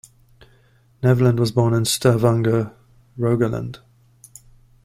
Nevland was born in Stavanger, Rogaland.